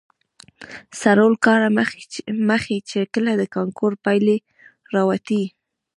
څلور کاله مخې، چې کله د کانکور پايلې راوتې.